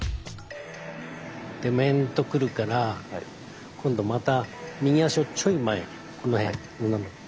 で面と来るから今度また右足をちょい前この辺斜め。